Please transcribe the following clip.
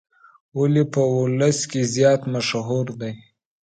ولې په ولس کې زیات مشهور دی.